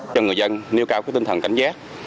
cho người dân nêu cao tinh thần cảnh giác